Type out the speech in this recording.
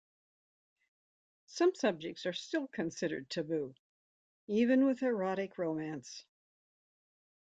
Some subjects are still considered taboo, even with erotic romance.